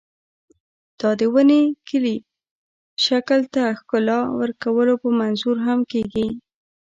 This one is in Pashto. دا د ونې کلي شکل ته ښکلا ورکولو په منظور هم کېږي.